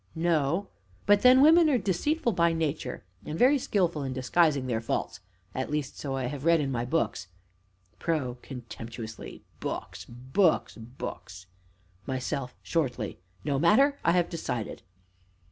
No; but then women are deceitful by nature, and very skilful in disguising their faults at least so I have read in my books PRO (contemptuously). Books! Books! Books! MYSELF (shortly). No matter; I have decided.